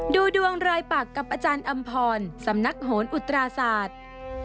ดูดวงรายปักกับอาจารย์อำพรสำนักโหนอุตราศาสตร์